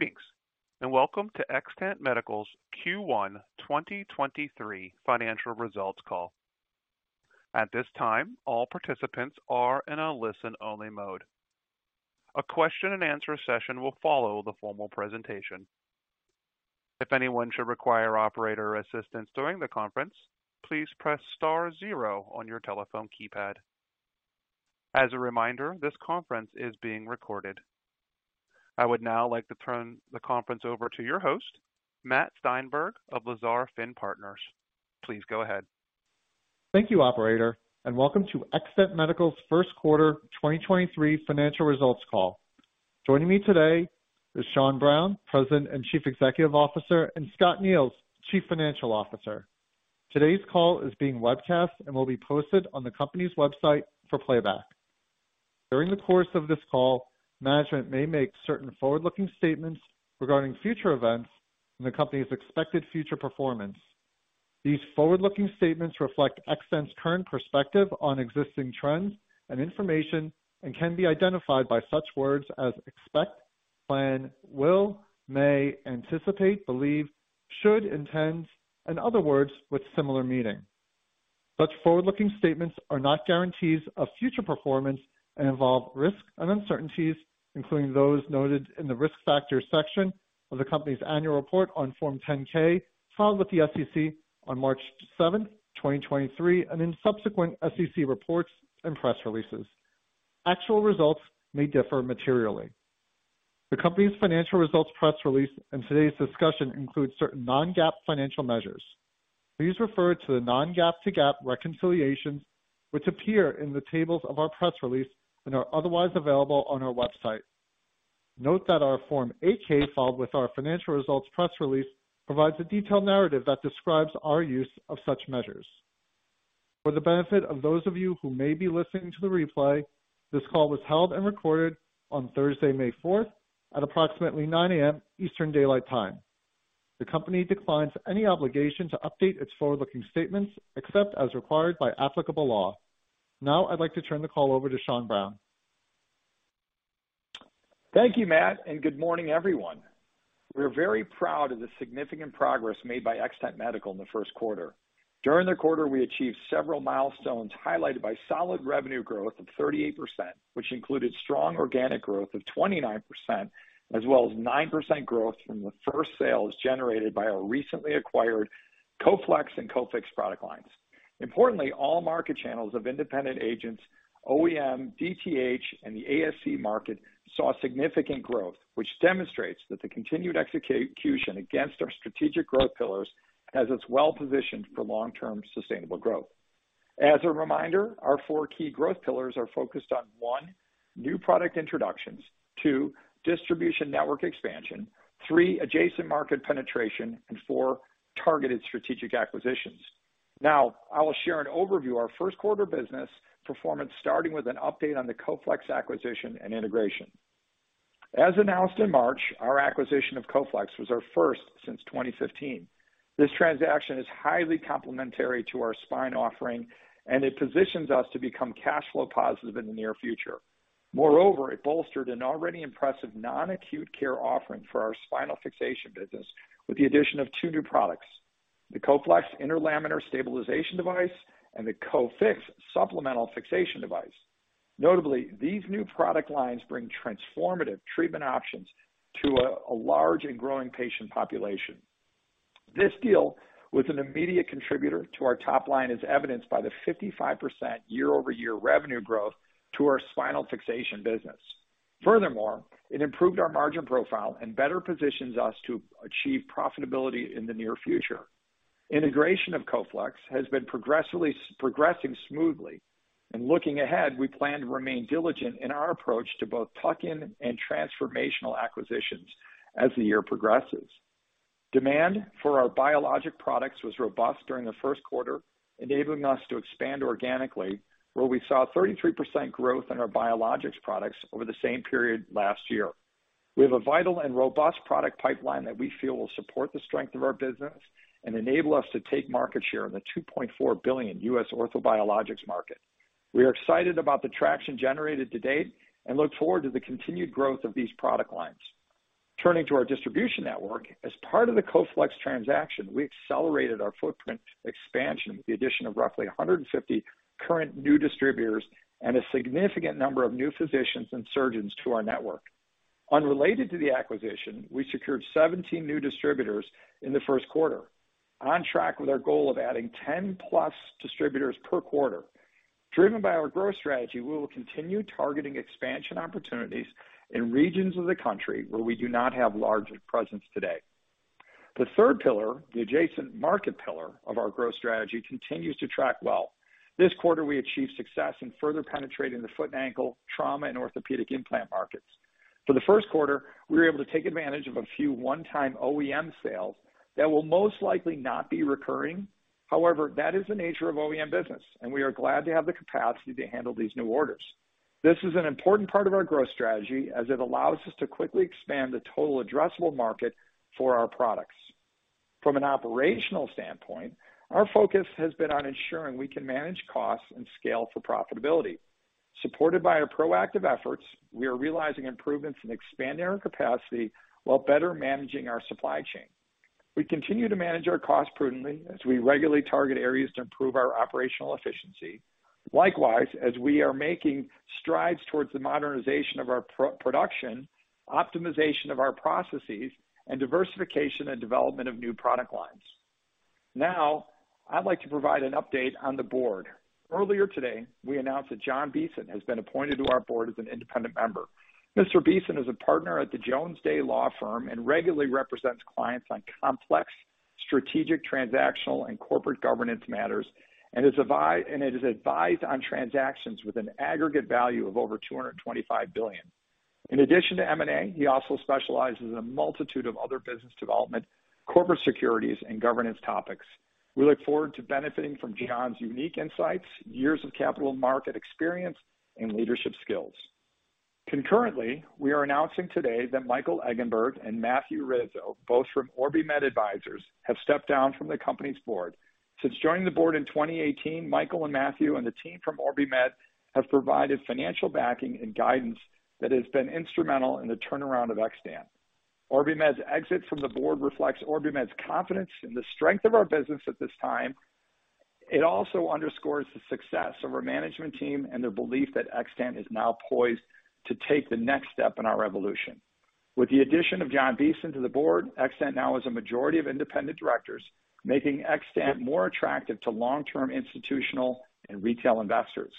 Greetings, and welcome to Xtant Medical's Q1 2023 financial results call. At this time, all participants are in a listen-only mode. A question and answer session will follow the formal presentation. If anyone should require operator assistance during the conference, please press star zero on your telephone keypad. As a reminder, this conference is being recorded. I would now like to turn the conference over to your host, Matt Steinberg of Lazar FINN Partners. Please go ahead. Thank you, operator, and welcome to Xtant Medical's first quarter 2023 financial results call. Joining me today is Sean Browne, President and Chief Executive Officer, and Scott Neils, Chief Financial Officer. Today's call is being webcast and will be posted on the company's website for playback. During the course of this call, management may make certain forward-looking statements regarding future events and the company's expected future performance. These forward-looking statements reflect Xtant's current perspective on existing trends and information and can be identified by such words as expect, plan, will, may, anticipate, believe, should, intends, and other words with similar meaning. Such forward-looking statements are not guarantees of future performance and involve risk and uncertainties, including those noted in the Risk Factors section of the company's annual report on Form 10-K, filed with the SEC on March 7, 2023, and in subsequent SEC reports and press releases. Actual results may differ materially. The company's financial results press release and today's discussion include certain non-GAAP financial measures. Please refer to the non-GAAP to GAAP reconciliations, which appear in the tables of our press release and are otherwise available on our website. Note that our Form 8-K filed with our financial results press release provides a detailed narrative that describes our use of such measures. For the benefit of those of you who may be listening to the replay, this call was held and recorded on Thursday, May fourth, at approximately 9:00 A.M. Eastern Daylight Time. The company declines any obligation to update its forward-looking statements except as required by applicable law. Now I'd like to turn the call over to Sean Browne. Thank you, Matt, and good morning, everyone. We are very proud of the significant progress made by Xtant Medical in the first quarter. During the quarter, we achieved several milestones highlighted by solid revenue growth of 38%, which included strong organic growth of 29% as well as 9% growth from the first sales generated by our recently acquired Coflex and Cofix product lines. Importantly, all market channels of independent agents, OEM, DTH, and the ASC market saw significant growth, which demonstrates that the continued execution against our strategic growth pillars has us well positioned for long-term sustainable growth. As a reminder, our 4 key growth pillars are focused on, 1, new product introductions, 2, distribution network expansion, 3, adjacent market penetration, and 4, targeted strategic acquisitions. Now I will share an overview of our first quarter business performance, starting with an update on the Coflex acquisition and integration. As announced in March, our acquisition of Coflex was our first since 2015. This transaction is highly complementary to our spine offering, and it positions us to become cash flow positive in the near future. Moreover, it bolstered an already impressive non-acute care offering for our spinal fixation business with the addition of two new products, the Coflex Interlaminar Stabilization device and the Cofix Supplemental Fixation device. Notably, these new product lines bring transformative treatment options to a large and growing patient population. This deal was an immediate contributor to our top line as evidenced by the 55% year-over-year revenue growth to our spinal fixation business. Furthermore, it improved our margin profile and better positions us to achieve profitability in the near future. Integration of Coflex has been progressively progressing smoothly. Looking ahead, we plan to remain diligent in our approach to both tuck-in and transformational acquisitions as the year progresses. Demand for our biologic products was robust during the first quarter, enabling us to expand organically, where we saw 33% growth in our biologics products over the same period last year. We have a vital and robust product pipeline that we feel will support the strength of our business and enable us to take market share in the $2.4 billion U.S. orthobiologics market. We are excited about the traction generated to date and look forward to the continued growth of these product lines. Turning to our distribution network, as part of the Coflex transaction, we accelerated our footprint expansion with the addition of roughly 150 current new distributors and a significant number of new physicians and surgeons to our network. Unrelated to the acquisition, we secured 17 new distributors in the first quarter, on track with our goal of adding 10-plus distributors per quarter. Driven by our growth strategy, we will continue targeting expansion opportunities in regions of the country where we do not have large presence today. The third pillar, the adjacent market pillar of our growth strategy, continues to track well. This quarter, we achieved success in further penetrating the foot and ankle, trauma, and orthopedic implant markets. For the first quarter, we were able to take advantage of a few one-time OEM sales that will most likely not be recurring. That is the nature of OEM business, and we are glad to have the capacity to handle these new orders. This is an important part of our growth strategy as it allows us to quickly expand the total addressable market for our products. From an operational standpoint, our focus has been on ensuring we can manage costs and scale for profitability. Supported by our proactive efforts, we are realizing improvements in expanding our capacity while better managing our supply chain. We continue to manage our costs prudently as we regularly target areas to improve our operational efficiency. As we are making strides towards the modernization of our pro-production, optimization of our processes, and diversification and development of new product lines. I'd like to provide an update on the board. Earlier today, we announced that Jonn Beeson has been appointed to our board as an independent member. Mr. Beeson is a partner at the Jones Day Law Firm and regularly represents clients on complex strategic, transactional, corporate governance matters, and has advised on transactions with an aggregate value of over $225 billion. In addition to M&A, he also specializes in a multitude of other business development, corporate securities, and governance topics. We look forward to benefiting from Jonn's unique insights, years of capital market experience, and leadership skills. Concurrently, we are announcing today that Michael Egenberg and Matthew Rizzo, both from OrbiMed Advisors, have stepped down from the company's board. Since joining the board in 2018, Michael and Matthew, and the team from OrbiMed have provided financial backing and guidance that has been instrumental in the turnaround of Xtant. OrbiMed's exit from the board reflects OrbiMed's confidence in the strength of our business at this time. It also underscores the success of our management team and their belief that Xtant is now poised to take the next step in our evolution. With the addition of Jonn Beeson to the board, Xtant now has a majority of independent directors, making Xtant more attractive to long-term institutional and retail investors.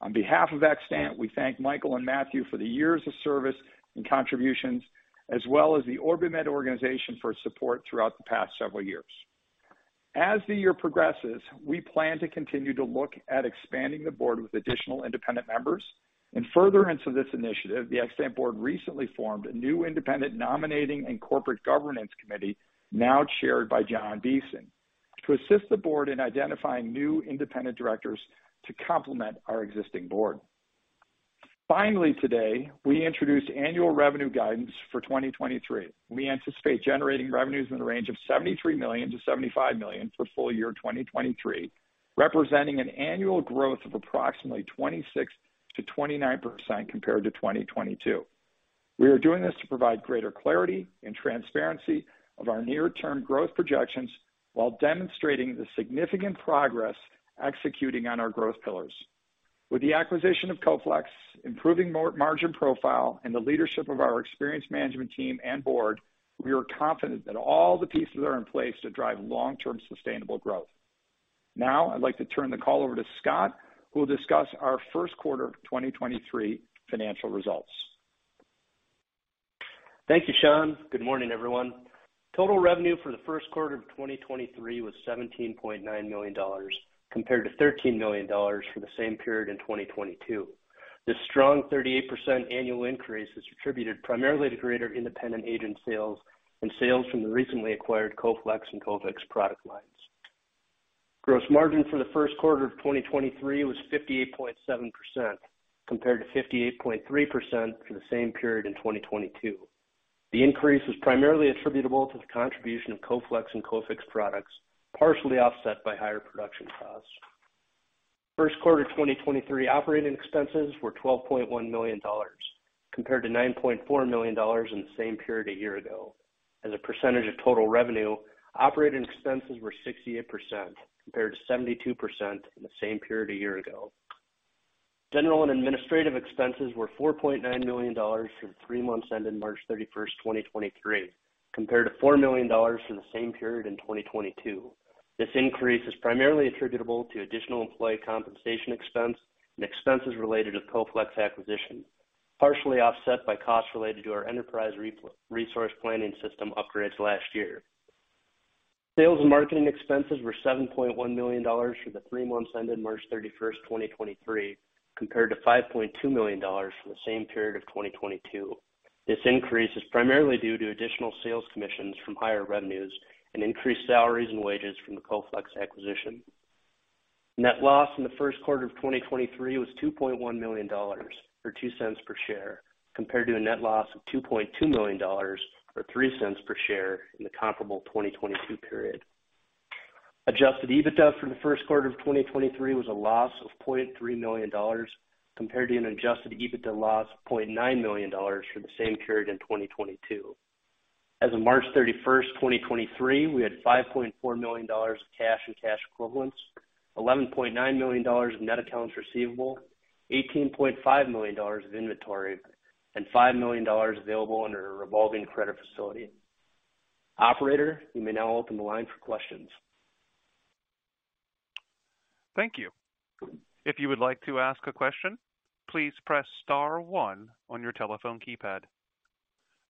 On behalf of Xtant, we thank Michael and Matthew for the years of service and contributions, as well as the OrbiMed organization for its support throughout the past several years. As the year progresses, we plan to continue to look at expanding the board with additional independent members. In furtherance of this initiative, the Xtant board recently formed a new independent nominating and corporate governance committee, now chaired by Jonn Beeson, to assist the board in identifying new independent directors to complement our existing board. Today, we introduced annual revenue guidance for 2023. We anticipate generating revenues in the range of $73 million-$75 million for full year 2023, representing an annual growth of approximately 26%-29% compared to 2022. We are doing this to provide greater clarity and transparency of our near-term growth projections while demonstrating the significant progress executing on our growth pillars. With the acquisition of Coflex, improving margin profile, and the leadership of our experienced management team and board, we are confident that all the pieces are in place to drive long-term sustainable growth. I'd like to turn the call over to Scott, who will discuss our first quarter of 2023 financial results. Thank you, Sean. Good morning, everyone. Total revenue for the first quarter of 2023 was $17.9 million compared to $13 million for the same period in 2022. This strong 38% annual increase is attributed primarily to greater independent agent sales and sales from the recently acquired Coflex and Cofix product lines. Gross margin for the first quarter of 2023 was 58.7%, compared to 58.3% for the same period in 2022. The increase was primarily attributable to the contribution of Coflex and Cofix products, partially offset by higher production costs. First quarter 2023 operating expenses were $12.1 million, compared to $9.4 million in the same period a year ago. As a percentage of total revenue, operating expenses were 68% compared to 72% in the same period a year ago. General and administrative expenses were $4.9 million for the 3 months ended March 31, 2023, compared to $4 million for the same period in 2022. This increase is primarily attributable to additional employee compensation expense and expenses related to the Coflex acquisition, partially offset by costs related to our enterprise resource planning system upgrades last year. Sales and marketing expenses were $7.1 million for the 3 months ended March 31, 2023, compared to $5.2 million for the same period of 2022. This increase is primarily due to additional sales commissions from higher revenues and increased salaries and wages from the Coflex acquisition. Net loss in the first quarter of 2023 was $2.1 million, or $0.02 per share, compared to a net loss of $2.2 million, or $0.03 per share in the comparable 2022 period. Adjusted EBITDA for the first quarter of 2023 was a loss of $0.3 million, compared to an Adjusted EBITDA loss of $0.9 million for the same period in 2022. As of March 31st, 2023, we had $5.4 million cash and cash equivalents, $11.9 million in net accounts receivable, $18.5 million of inventory, and $5 million available under a revolving credit facility. Operator, you may now open the line for questions. Thank you. If you would like to ask a question, please press star one on your telephone keypad.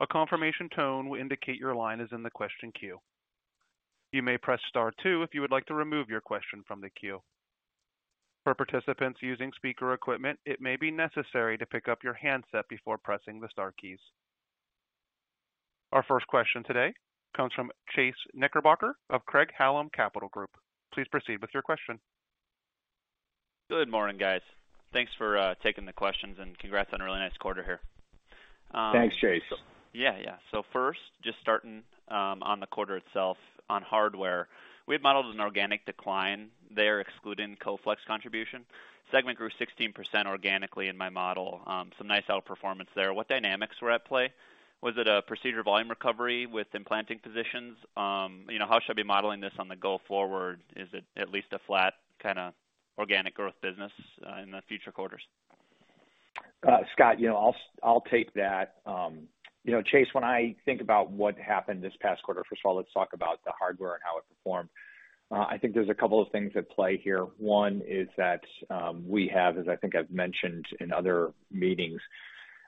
A confirmation tone will indicate your line is in the question queue. You may press star two if you would like to remove your question from the queue. For participants using speaker equipment, it may be necessary to pick up your handset before pressing the star keys. Our first question today comes from Chase Knickerbocker of Craig-Hallum Capital Group. Please proceed with your question. Good morning, guys. Thanks for taking the questions. Congrats on a really nice quarter here. Thanks, Chase. Yeah, yeah. First, just starting on the quarter itself on hardware. We had modeled an organic decline there, excluding Coflex contribution. Segment grew 16% organically in my model. Some nice outperformance there. What dynamics were at play? Was it a procedure volume recovery with implanting physicians? You know, how should I be modeling this on the go forward? Is it at least a flat kinda organic growth business in the future quarters? Scott, you know, I'll take that. you know, Chase, when I think about what happened this past quarter, first of all, let's talk about the hardware and how it performed. I think there's a couple of things at play here. 1 is that, we have, as I think I've mentioned in other meetings,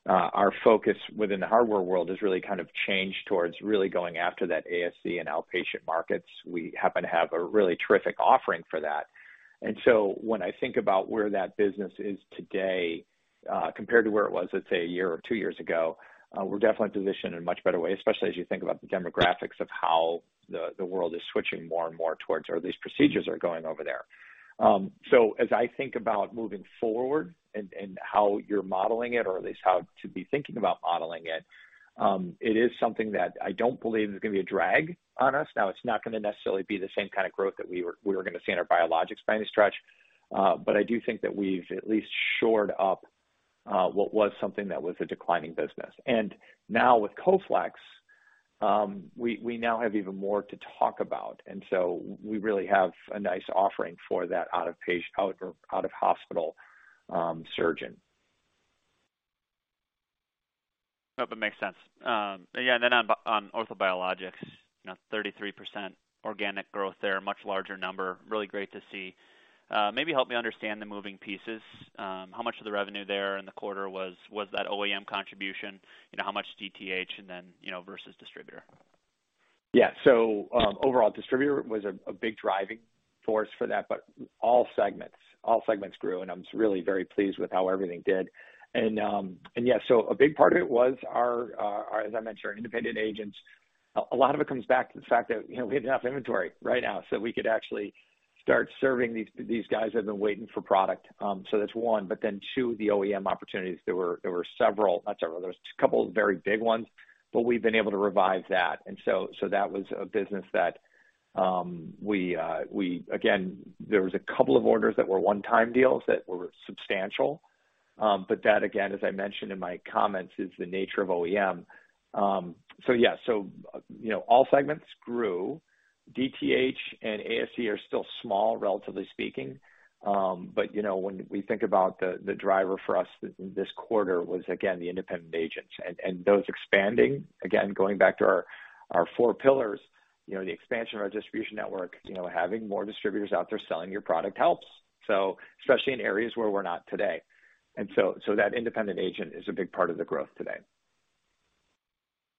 our focus within the hardware world has really kind of changed towards really going after that ASC and outpatient markets. We happen to have a really terrific offering for that. When I think about where that business is today, compared to where it was, let's say a year or 2 years ago, we're definitely positioned in a much better way, especially as you think about the demographics of how the world is switching more and more towards or at least procedures are going over there. As I think about moving forward and how you're modeling it or at least how to be thinking about modeling it is something that I don't believe is gonna be a drag on us. Now, it's not gonna necessarily be the same kind of growth that we were gonna see in our biologics by any stretch, but I do think that we've at least shored up what was something that was a declining business. Now with Coflex, we now have even more to talk about, we really have a nice offering for that out of hospital surgeon. Hope it makes sense. On orthobiologics, you know, 33% organic growth there, much larger number. Really great to see. Maybe help me understand the moving pieces. How much of the revenue there in the quarter was that OEM contribution? You know, how much DTH and then, you know, versus distributor? Overall distributor was a big driving force for that, but all segments grew, and I'm just really very pleased with how everything did. A big part of it was our, as I mentioned, our independent agents. A lot of it comes back to the fact that, you know, we had enough inventory right now, so we could actually start serving these guys that have been waiting for product. That's 1. 2, the OEM opportunities. There were several-- not several. There was a couple of very big ones, but we've been able to revive that. That was a business that we. Again, there was a couple of orders that were one-time deals that were substantial. That, again, as I mentioned in my comments, is the nature of OEM. Yeah. You know, all segments grew. DTH and ASC are still small, relatively speaking. You know, when we think about the driver for us this quarter was again, the independent agents and those expanding. Again, going back to our four pillars, you know, the expansion of our distribution network. You know, having more distributors out there selling your product helps, so especially in areas where we're not today. That independent agent is a big part of the growth today.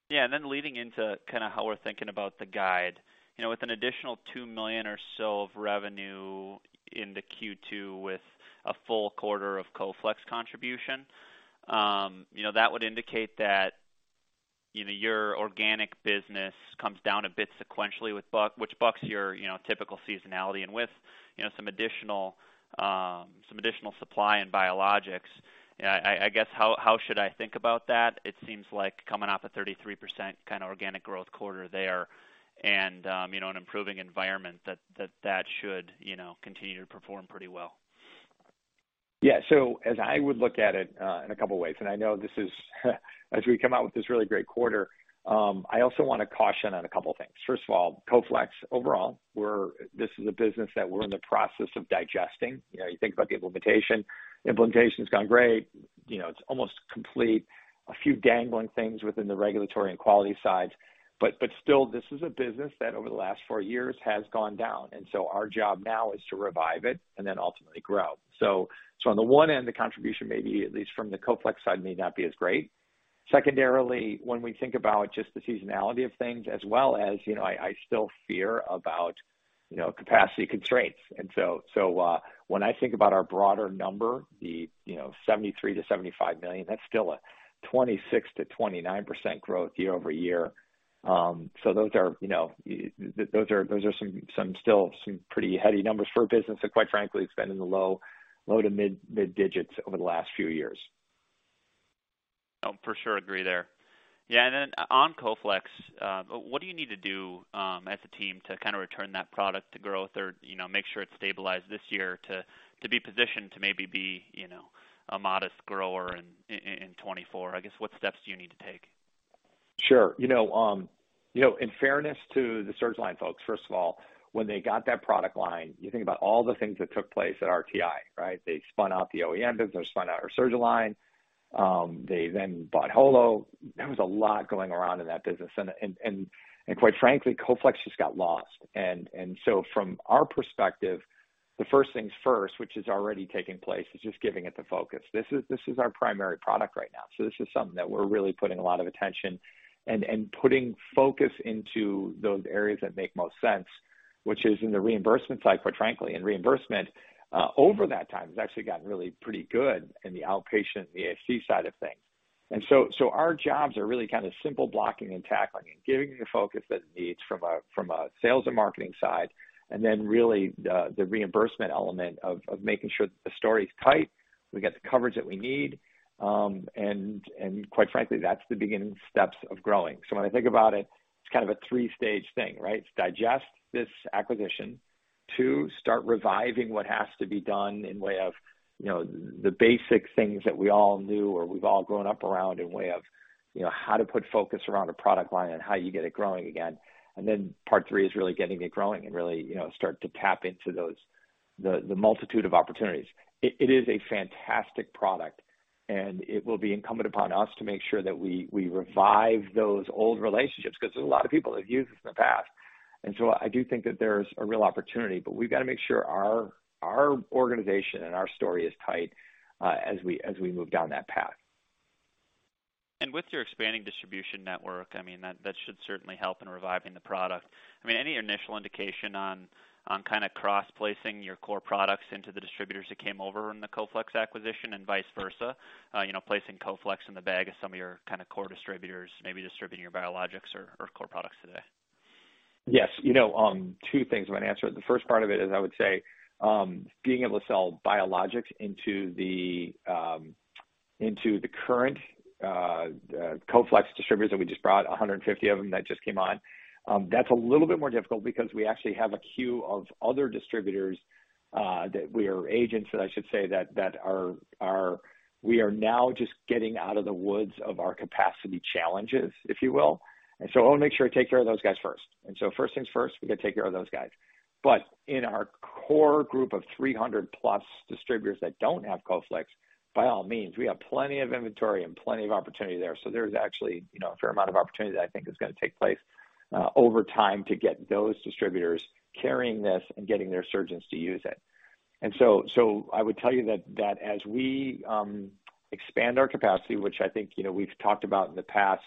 Yeah. Then leading into kinda how we're thinking about the guide. You know, with an additional $2 million or so of revenue into Q2 with a full quarter of Coflex contribution, you know, that would indicate that, you know, your organic business comes down a bit sequentially which bucks your, you know, typical seasonality. With, you know, some additional, some additional supply in biologics, I guess how should I think about that? It seems like coming off a 33% kinda organic growth quarter there and, you know, an improving environment that should, you know, continue to perform pretty well. As I would look at it in a couple ways, and I know this is as we come out with this really great quarter, I also wanna caution on a couple things. First of all, Coflex overall, this is a business that we're in the process of digesting. You know, you think about the implementation. Implementation's gone great. You know, it's almost complete. A few dangling things within the regulatory and quality sides, but still, this is a business that over the last four years has gone down. Our job now is to revive it and then ultimately grow. On the one end, the contribution may be, at least from the Coflex side, may not be as great. Secondarily, when we think about just the seasonality of things as well as, you know, I still fear about, you know, capacity constraints. When I think about our broader number, the, you know, $73 million-$75 million, that's still a 26%-29% growth year-over-year. Those are, you know, those are, those are some still some pretty heady numbers for a business that quite frankly, it's been in the low to mid digits over the last few years. No, for sure agree there. Yeah, on Coflex, what do you need to do, as a team to kinda return that product to growth or, you know, make sure it's stabilized this year to be positioned to maybe be, you know, a modest grower in 2024? I guess, what steps do you need to take? Sure. You know, you know, in fairness to the Surgalign folks, first of all, when they got that product line, you think about all the things that took place at RTI, right? They spun out the OEM business, spun out our Surgalign. They then bought Holo. There was a lot going around in that business and quite frankly, Coflex just got lost. From our perspective, the first things first, which is already taking place, is just giving it the focus. This is our primary product right now, so this is something that we're really putting a lot of attention and putting focus into those areas that make most sense, which is in the reimbursement side, quite frankly. Reimbursement, over that time, has actually gotten really pretty good in the outpatient and the ASC side of things. Our jobs are really kind of simple blocking and tackling and giving the focus that it needs from a sales and marketing side, and then really the reimbursement element of making sure that the story is tight, we get the coverage that we need, and quite frankly, that's the beginning steps of growing. When I think about it's kind of a 3-stage thing, right? It's digest this acquisition. 2, start reviving what has to be done in way of, you know, the basic things that we all knew or we've all grown up around in way of, you know, how to put focus around a product line and how you get it growing again. Part 3 is really getting it growing and really, you know, start to tap into those, the multitude of opportunities. It is a fantastic product, and it will be incumbent upon us to make sure that we revive those old relationships because there's a lot of people that have used this in the past. I do think that there's a real opportunity, but we've got to make sure our organization and our story is tight, as we move down that path. With your expanding distribution network, I mean, that should certainly help in reviving the product. I mean, any initial indication on kind of cross-placing your core products into the distributors that came over in the Coflex acquisition and vice versa? You know, placing Coflex in the bag of some of your kind of core distributors, maybe distributing your biologics or core products today. Yes. You know, 2 things I'm going to answer. The first part of it is I would say, being able to sell biologics into the current Coflex distributors that we just brought, 150 of them that just came on, that's a little bit more difficult because we actually have a queue of other distributors, that we are agents, I should say, that are now just getting out of the woods of our capacity challenges, if you will. I want to make sure I take care of those guys first. First things first, we got to take care of those guys. In our core group of 300 plus distributors that don't have Coflex, by all means, we have plenty of inventory and plenty of opportunity there. There's actually, you know, a fair amount of opportunity that I think is going to take place over time to get those distributors carrying this and getting their surgeons to use it. I would tell you that as we expand our capacity, which I think, you know, we've talked about in the past,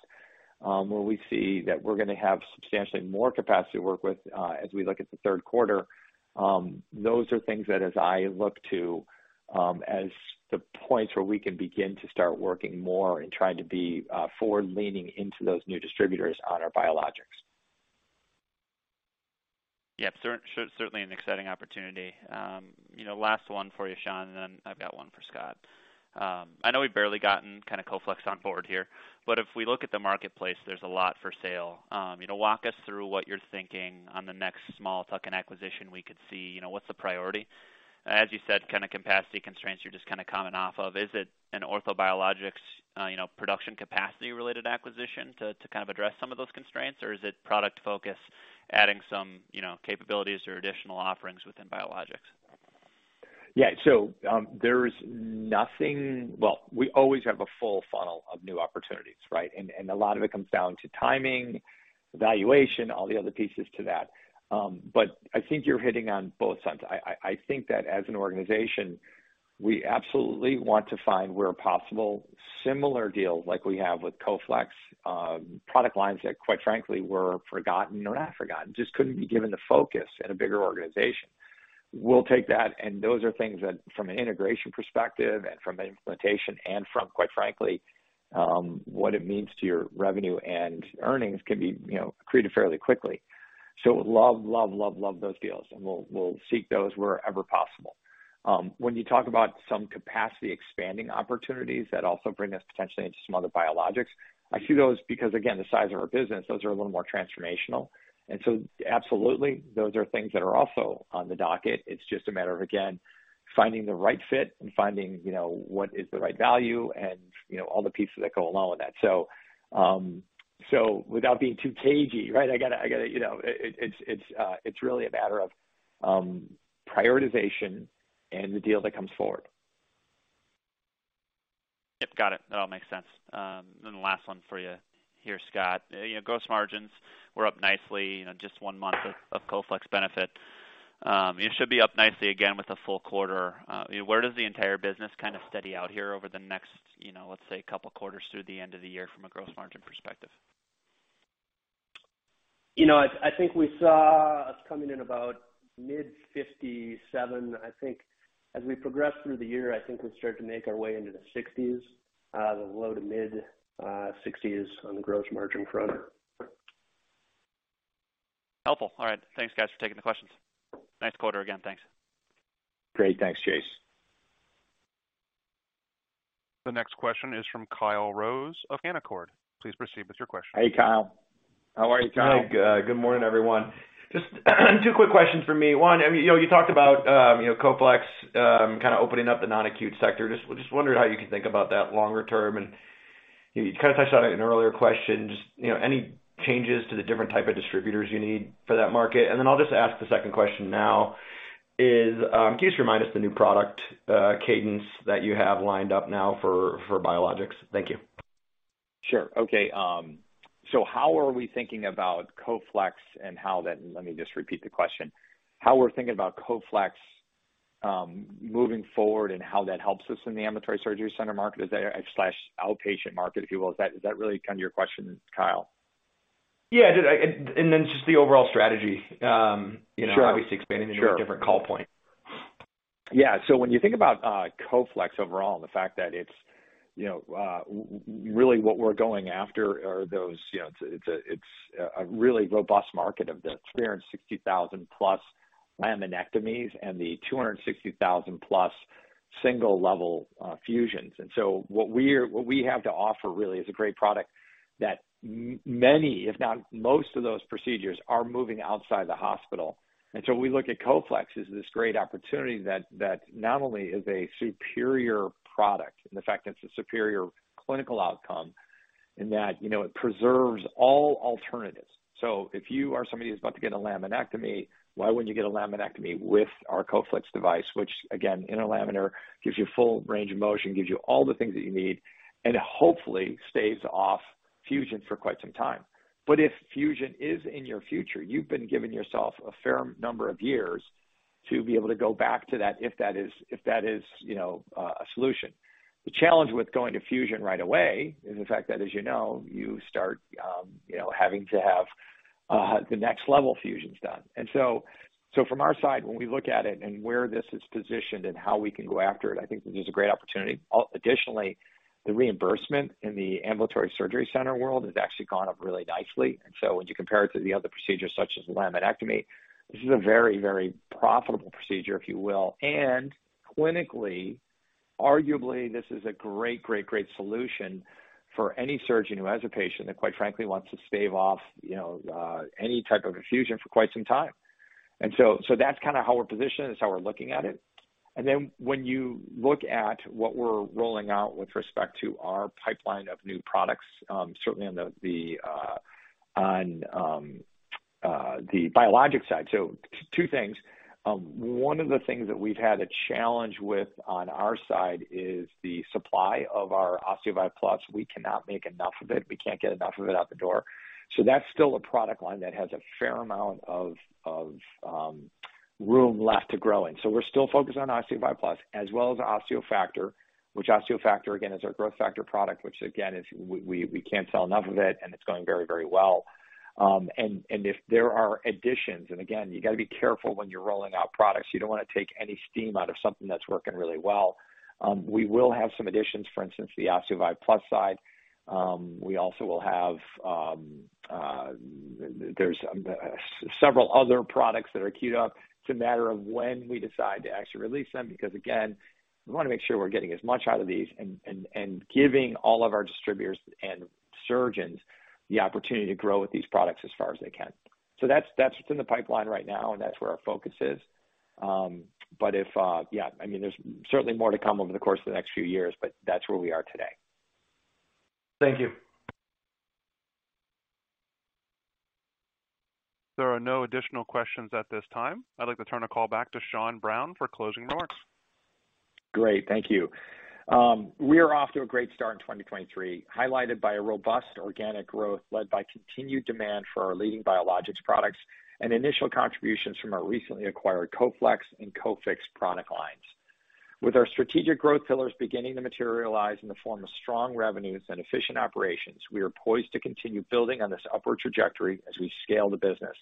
where we see that we're going to have substantially more capacity to work with, as we look at the third quarter, those are things that as I look to, as the points where we can begin to start working more and trying to be forward-leaning into those new distributors on our biologics. Yeah. Certainly an exciting opportunity. You know, last one for you, Sean, and then I've got one for Scott. I know we've barely gotten kind of Coflex on board here, but if we look at the marketplace, there's a lot for sale. You know, walk us through what you're thinking on the next small tuck-in acquisition we could see. You know, what's the priority? As you said, kind of capacity constraints you're just kind of coming off of. Is it an ortho biologics, you know, production capacity related acquisition to kind of address some of those constraints? Or is it product focus, adding some, you know, capabilities or additional offerings within biologics? Yeah. Well, we always have a full funnel of new opportunities, right? A lot of it comes down to timing, valuation, all the other pieces to that. I think you're hitting on both sides. I think that as an organization, we absolutely want to find where possible similar deals like we have with Coflex, product lines that quite frankly, were forgotten or not forgotten, just couldn't be given the focus in a bigger organization. We'll take that, and those are things that from an integration perspective and from an implementation and from, quite frankly, what it means to your revenue and earnings can be, you know, created fairly quickly. Love those deals, and we'll seek those wherever possible. When you talk about some capacity expanding opportunities that also bring us potentially into some other biologics, I see those because again, the size of our business, those are a little more transformational. Absolutely, those are things that are also on the docket. It's just a matter of, again, finding the right fit and finding, you know, what is the right value and, you know, all the pieces that go along with that. Without being too cagey, right, I gotta, you know. It's really a matter of prioritization and the deal that comes forward. Yep, got it. That all makes sense. The last one for you here, Scott. You know, gross margins were up nicely, you know, just one month of Coflex benefit. It should be up nicely again with a full quarter. Where does the entire business kind of steady out here over the next, you know, let's say, couple quarters through the end of the year from a gross margin perspective? You know, I think we saw us coming in about mid-57%. I think as we progress through the year, I think we'll start to make our way into the 60s, the low to mid-60s on the gross margin front. Helpful. All right. Thanks, guys, for taking the questions. Nice quarter again. Thanks. Great. Thanks, Chase. The next question is from Kyle Rose of Canaccord. Please proceed with your question. Hey, Kyle. How are you, Kyle? Hi. Good morning, everyone. Just two quick questions for me. One, I mean, you know, you talked about, you know, Coflex kind of opening up the non-acute sector. Just wondering how you can think about that longer term. You kind of touched on it in earlier questions, you know, any changes to the different type of distributors you need for that market? I'll just ask the second question now, is, can you just remind us the new product cadence that you have lined up now for biologics? Thank you. Sure. Okay. Let me just repeat the question. How we're thinking about Coflex moving forward and how that helps us in the ambulatory surgery center market is, slash outpatient market, if you will. Is that really kind of your question, Kyle? Yeah. Just the overall strategy, you know- Sure. obviously expanding into a different call point. When you think about Coflex overall and the fact that it's, you know, really what we're going after are those, you know, a really robust market of the 360,000+ laminectomies and the 260,000+ single level fusions. What we have to offer really is a great product that many, if not most of those procedures are moving outside the hospital. We look at Coflex as this great opportunity that not only is a superior product and the fact it's a superior clinical outcome and that, you know, it preserves all alternatives. If you are somebody who's about to get a laminectomy, why wouldn't you get a laminectomy with our Coflex device, which again, interlaminar gives you full range of motion, gives you all the things that you need, and hopefully staves off fusion for quite some time. If fusion is in your future, you've been giving yourself a fair number of years to be able to go back to that if that is, you know, a solution. The challenge with going to fusion right away is the fact that, as you know, you start, you know, having to have the next level fusions done. From our side, when we look at it and where this is positioned and how we can go after it, I think this is a great opportunity. Additionally, the reimbursement in the ambulatory surgery center world has actually gone up really nicely. When you compare it to the other procedures such as laminectomy, this is a very, very profitable procedure if you will. Clinically, arguably this is a great, great solution for any surgeon who has a patient that quite frankly wants to stave off, you know, any type of fusion for quite some time. So that's kinda how we're positioned, that's how we're looking at it. When you look at what we're rolling out with respect to our pipeline of new products, certainly on the biologic side. Two things. One of the things that we've had a challenge with on our side is the supply of our OsteoVive Plus. We cannot make enough of it. We can't get enough of it out the door. That's still a product line that has a fair amount of room left to grow in. We're still focused on OsteoVive Plus as well as OsteoFactor, which OsteoFactor again, is our growth factor product, which again is we can't sell enough of it and it's going very, very well. If there are additions, and again, you gotta be careful when you're rolling out products. You don't wanna take any steam out of something that's working really well. We will have some additions, for instance, the OsteoVive Plus side. We also will have, there's several other products that are queued up. It's a matter of when we decide to actually release them because again, we wanna make sure we're getting as much out of these and giving all of our distributors and surgeons the opportunity to grow with these products as far as they can. That's, that's what's in the pipeline right now, and that's where our focus is. If, yeah, I mean, there's certainly more to come over the course of the next few years, but that's where we are today. Thank you. There are no additional questions at this time. I'd like to turn the call back to Sean Browne for closing remarks. Great, thank you. We are off to a great start in 2023, highlighted by a robust organic growth led by continued demand for our leading biologics products and initial contributions from our recently acquired Coflex and Cofix product lines. With our strategic growth pillars beginning to materialize in the form of strong revenues and efficient operations, we are poised to continue building on this upward trajectory as we scale the business.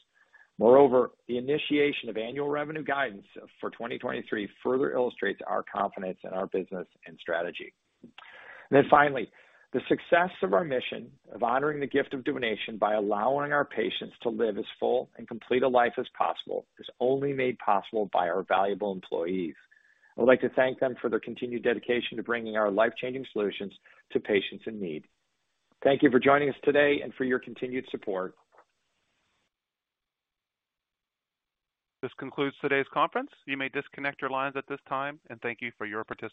Moreover, the initiation of annual revenue guidance for 2023 further illustrates our confidence in our business and strategy. Finally, the success of our mission of honoring the gift of donation by allowing our patients to live as full and complete a life as possible is only made possible by our valuable employees. I would like to thank them for their continued dedication to bringing our life-changing solutions to patients in need. Thank you for joining us today and for your continued support. This concludes today's conference. You may disconnect your lines at this time, and thank you for your participation.